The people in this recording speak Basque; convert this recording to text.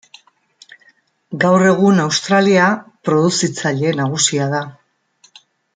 Gaur egun Australia produzitzaile nagusia da.